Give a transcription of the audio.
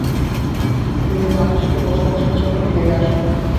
তিনি দামেস্কে বসবাসের জন্য ফিরে আসেন।